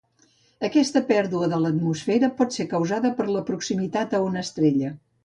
Aquesta pèrdua de l'atmosfera pot ser causada per la proximitat a una estrella.